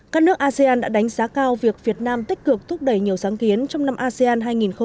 các nước asean đã đánh giá cao việc việt nam tích cực thúc đẩy nhiều sáng kiến trong năm asean hai nghìn hai mươi